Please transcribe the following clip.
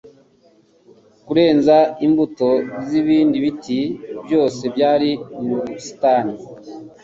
kurenza imbuto z’ibindi biti byose byari mu busitani